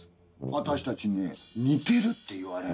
私たちね似てるって言われるのよ。